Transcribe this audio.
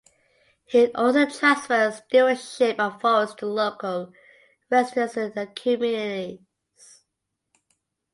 He also transferred stewardship of forests to local residents and communities.